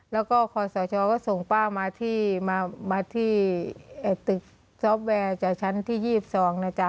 แล้วก็คอสชก็ส่งป้ามาที่ตึกซอฟต์แวร์จากชั้นที่๒๒นะจ๊ะ